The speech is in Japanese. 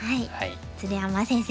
鶴山先生